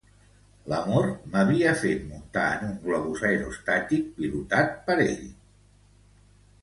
L'amor m'havia fet muntar en un globus aerostàtic pilotat per ell.